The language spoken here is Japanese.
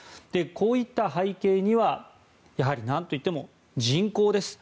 こういった背景にはなんと言っても人口です。